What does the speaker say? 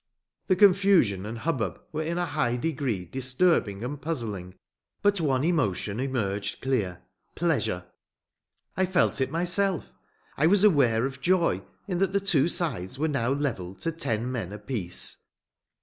The confusion and hubbub were in a high degree disturbing and puzzling. But one emotion emerged clear: pleasure. I felt it myself. I was aware of joy in that the two sides were now levelled to ten men apiece.